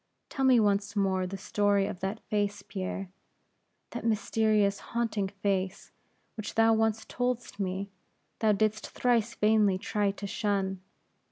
Tell me once more the story of that face, Pierre, that mysterious, haunting face, which thou once told'st me, thou didst thrice vainly try to shun.